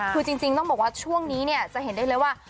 คือจริงต้องบอกว่าช่วงนี้เนี่ยจะเห็นได้เลยว่า